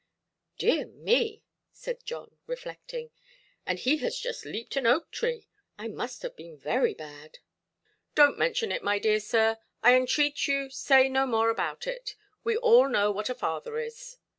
"Dear me"! said John, reflecting, "and he has just leaped an oak–tree! I must have been very bad". "Donʼt mention it, my dear sir, I entreat you say no more about it. We all know what a father is".